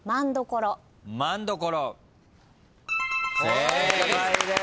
正解です。